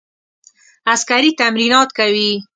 عسکري تمرینات کوي.